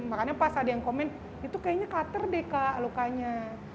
makanya pas ada yang komen itu kayaknya kater deh kak lukanya